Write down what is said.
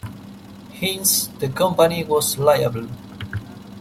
Hence, the company was liable.